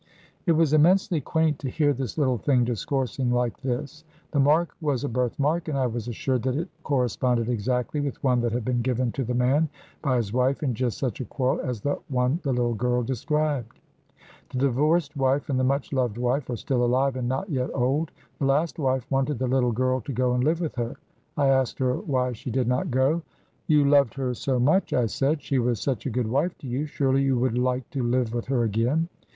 It was immensely quaint to hear this little thing discoursing like this. The mark was a birth mark, and I was assured that it corresponded exactly with one that had been given to the man by his wife in just such a quarrel as the one the little girl described. The divorced wife and the much loved wife are still alive and not yet old. The last wife wanted the little girl to go and live with her. I asked her why she did not go. 'You loved her so much,' I said. 'She was such a good wife to you. Surely you would like to live with her again.'